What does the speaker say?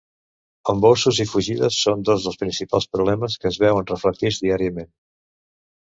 Embossos i fugides són dos dels principals problemes que es veuen reflectits diàriament.